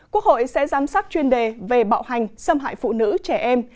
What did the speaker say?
quốc hội sẽ giám sát chuyên đề về bạo hành xâm hại phụ nữ trẻ em